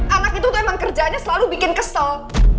anak itu tuh emang kerjaannya selalu bikin kesel